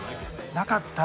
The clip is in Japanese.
なかった？